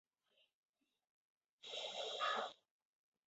这三个董事会都是由来自全国的志愿者构成的。